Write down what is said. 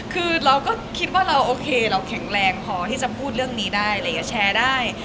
คือเราก็คิดว่าเราโอเคเราแข็งแรงพอที่จะพูดเรื่องนี้ได้อะไรอย่างนี้แชร์ได้